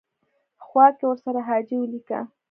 خوا کې ورسره حاجي ولیکه.